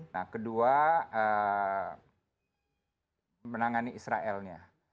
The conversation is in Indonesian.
nah kedua menangani israelnya